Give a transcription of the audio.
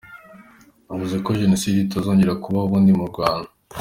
Yavuze ko Jenoside itazongera kubaho ukundi mu Rwanda.